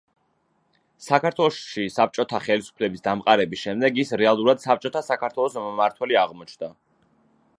საქართველოში საბჭოთა ხელისუფლების დამყარების შემდეგ ის რეალურად საბჭოთა საქართველოს მმართველი აღმოჩნდა.